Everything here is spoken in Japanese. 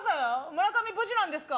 村上無事なんですか？